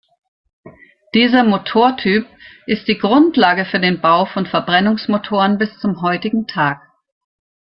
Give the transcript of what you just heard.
Dieser Motortyp ist die Grundlage für den Bau von Verbrennungsmotoren bis zum heutigen Tag.